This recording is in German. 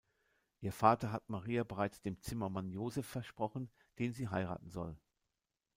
Ihr Vater hat Maria bereits dem Zimmermann Joseph versprochen, den sie heiraten soll.